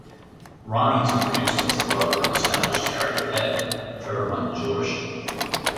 Ronnie is introduced as the brother of established character Ed (Trevor Michael Georges).